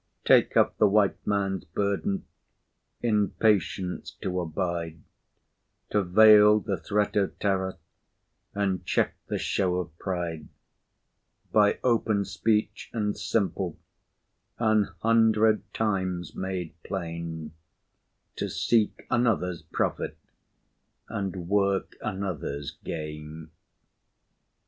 Take up the White Man's burden In patience to abide, To veil the threat of terror And check the show of pride; By open speech and simple, An hundred times made plain, To seek another's profit, And work another's gain.